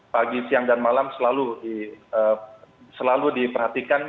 pagi siang dan malam selalu diperhatikan